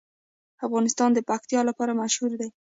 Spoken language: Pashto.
افغانستان د پکتیا لپاره مشهور دی.